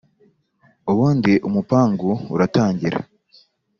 ubundi umupangu uratangira